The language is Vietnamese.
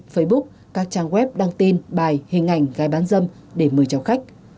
facebook các trang web đăng tin bài hình ảnh gai bán dâm để mời chào khách